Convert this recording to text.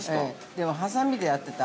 でも、はさみでやってた。